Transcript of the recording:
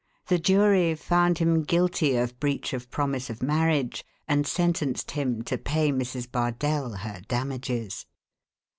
The jury found him guilty of breach of promise of marriage, and sentenced him to pay Mrs. Bardell her damages.